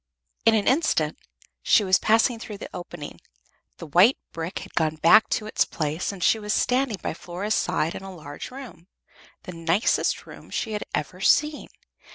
In an instant she had passed through the opening, the white brick had gone back to its place, and she was standing by Flora's side in a large room the nicest room she had ever seen.